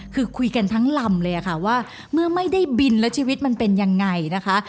คือคุยกันทั้งลำเลยค่ะว่าเมื่อไม่ได้บินแล้วชีวิตมันเป็นยังไงนะคะ